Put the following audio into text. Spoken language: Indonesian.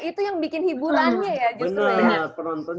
itu yang bikin hiburannya ya justru